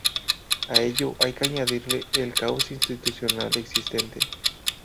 A ello hay que añadirle el caos institucional existente.